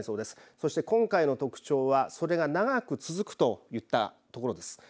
そして今回の特徴はそれが長く続くといったところです。